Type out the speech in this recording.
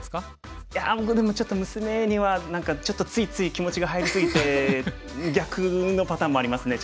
いや僕でもちょっと娘には何かちょっとついつい気持ちが入り過ぎて逆のパターンもありますね。